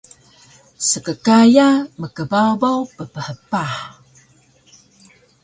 Skkaya mkbabaw pphpah